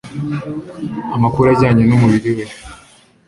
amakuru ajyanye n'umubiri we